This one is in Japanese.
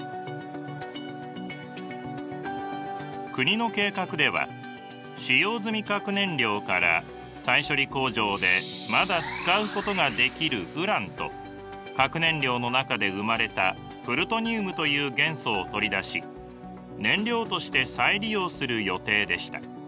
国の計画では使用済み核燃料から再処理工場でまだ使うことができるウランと核燃料の中で生まれたプルトニウムという元素を取り出し燃料として再利用する予定でした。